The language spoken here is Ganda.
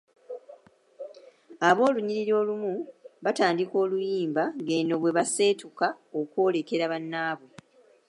Ab’olunyiriri olumu batandika oluyimba ng’eno bwe baseetuka okwolekera bannaabwe.